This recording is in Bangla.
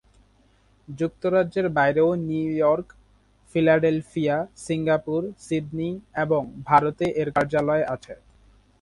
যুক্তরাজ্যের বাইরেও New York, Philadelphia, Singapore, Sydney এবং ভারতে এর কার্যালয় আছে।